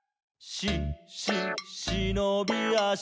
「し・し・しのびあし」